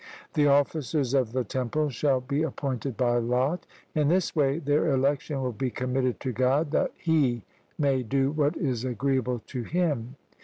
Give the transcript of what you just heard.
The officers of the temples shall be appointed by lot; in this way their election will be committed to God, that He may do what is agreeable to Him.